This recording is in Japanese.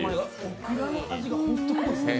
オクラの味がホント濃いですね。